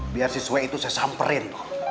biar si suek itu saya samperin